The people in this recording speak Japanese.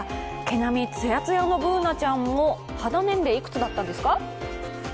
毛穴つやつやのＢｏｏｎａちゃんも、肌年齢いくつだったんですか？